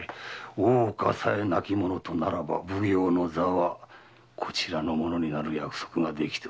大岡さえ亡き者とならば奉行の座はこちらのものになる約束ができておる。